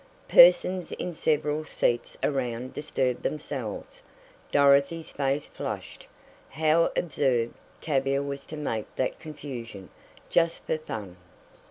Persons in several seats around disturbed themselves. Dorothy's face flushed. How absurd Tavia was to make that confusion, just for fun.